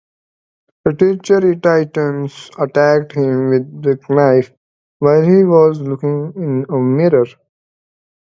The treacherous Titans attacked him with knives while he was looking in the mirror.